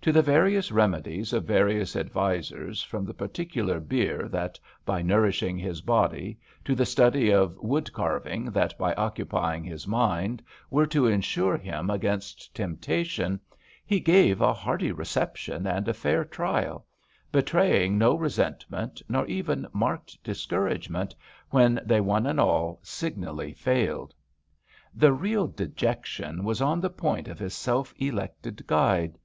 To the various remedies of various advisers, from the par ticular beer that by nourishing his body, to the study of wood carving that by occupy ing his mind, were to ensure him against temptation, he gave a hearty reception and a fair trial, betraying no resentment, nor even marked discouragement, when they one and all signally failed. The real dejection was on the point of his self elected guide.